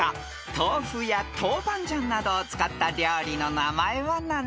［豆腐や豆板醤などを使った料理の名前は何でしょう］